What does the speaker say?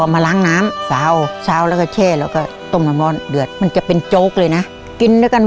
นั้นต้องหามาล้างน้ำบัน